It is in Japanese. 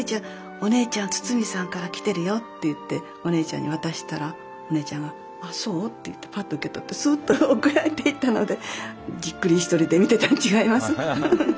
お姉ちゃん堤さんから来てるよって言ってお姉ちゃんに渡したらお姉ちゃんがあっそう？って言ってパッと受け取ってスッと奥へ入っていったのでじっくり一人で見てたん違います？